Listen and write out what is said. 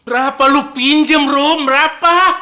berapa lu pinjem rom berapa